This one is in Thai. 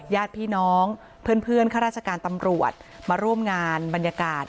ญาติพี่น้องเพื่อนข้าราชการตำรวจมาร่วมงานบรรยากาศ